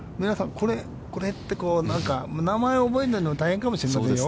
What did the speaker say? これ？って、名前を覚えるのにも大変かもしれませんよ。